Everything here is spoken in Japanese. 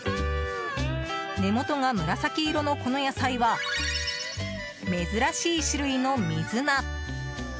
根元が紫色のこの野菜は珍しい種類の水菜。